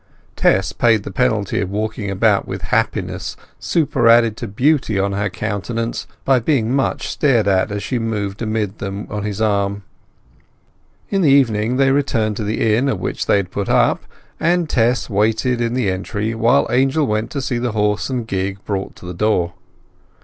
Tess paid the penalty of walking about with happiness superadded to beauty on her countenance by being much stared at as she moved amid them on his arm. In the evening they returned to the inn at which they had put up, and Tess waited in the entry while Angel went to see the horse and gig brought to the door.